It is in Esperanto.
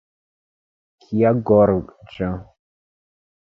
Kia gorĝo!